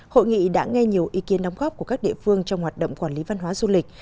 hội nghị đã nghe nhiều ý kiến đóng góp của các địa phương trong hoạt động quản lý văn hóa du lịch